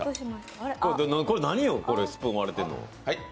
これ何よ、スプーン割れてんの。